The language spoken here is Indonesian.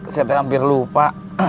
saya terlampir lupa